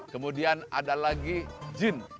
kemudian ada lagi jin